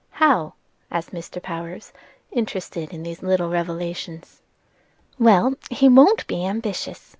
"How?" asked Mr. Power, interested in these little revelations. "Well, he won't be ambitious.